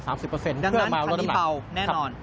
ดังนั้นคันนี้เบาแน่นอนใช่ครับดังนั้นคันนี้เบาแน่นอน